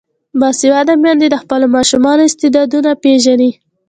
باسواده میندې د خپلو ماشومانو استعدادونه پیژني.